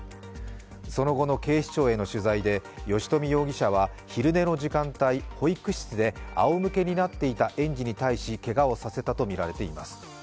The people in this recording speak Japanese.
その後の警視庁への取材で吉冨容疑者は昼寝の時間帯、保育室であおむけになっていた園児に対しけがをさせたとみられています。